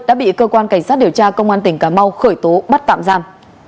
đã bị cơ quan cảnh sát điều tra công an tỉnh cà mau khởi tố bắt tạm giam